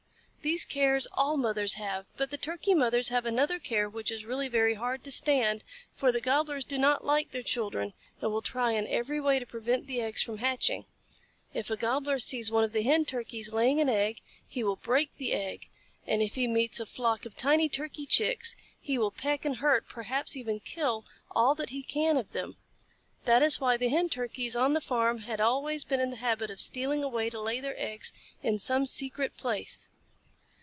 These cares all mothers have, but the Turkey mothers have another care which is really very hard to stand, for the Gobblers do not like their children and will try in every way to prevent the eggs from hatching. If a Gobbler sees one of the Hen Turkeys laying an egg, he will break the egg, and if he meets a flock of tiny Turkey Chicks he will peck and hurt, perhaps even kill, all that he can of them. That is why the Hen Turkeys on the farm had always been in the habit of stealing away to lay their eggs in some secret place.